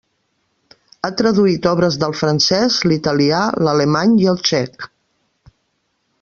Ha traduït obres del francès, l'italià, l'alemany i el txec.